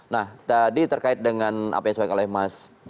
nah tadi terkait dengan apa yang soal kalahnya mas